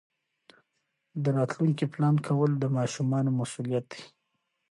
د راتلونکي پلان کول د ماشومانو مسؤلیت دی.